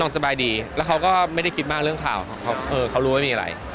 น้องง่ะสบายดีแล้วเขาก็ไม่ได้คิดมากเรื่องข่าวยังรู้ไม่มีอะไร